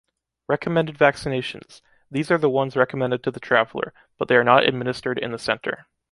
Recommended vaccinations: these are the ones recommended to the traveler, but they are not administered in the center.